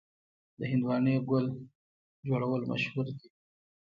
د هندواڼې ګل جوړول مشهور دي.